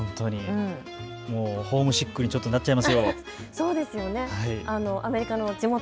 ホームシックにちょっとなっちゃいますよ。